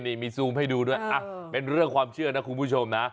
นี่มีซูมให้ดูด้วยเป็นเรื่องความเชื่อนะคุณผู้ชมนะ